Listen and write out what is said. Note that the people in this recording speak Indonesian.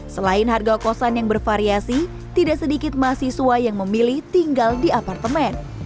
selain harga kosan yang bervariasi tidak sedikit mahasiswa yang memilih tinggal di apartemen